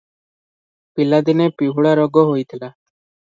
ପିଲାଦିନେ ପିହୁଳା ରୋଗ ହୋଇଥିଲା ।